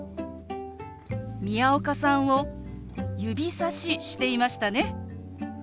宮岡さんを指さししていましたね。